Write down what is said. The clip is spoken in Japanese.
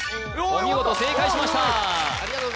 お見事正解しました嬉しい！